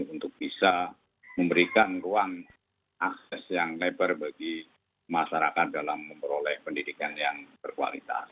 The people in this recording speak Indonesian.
untuk bisa memberikan ruang akses yang lebar bagi masyarakat dalam memperoleh pendidikan yang berkualitas